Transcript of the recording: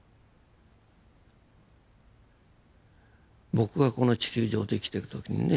僕はこの地球上で生きてる時にね